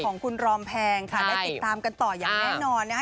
ของคุณรอมแพงค่ะได้ติดตามกันต่ออย่างแน่นอนนะคะ